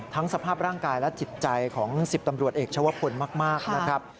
สภาพร่างกายและจิตใจของ๑๐ตำรวจเอกชาวพลมากนะครับ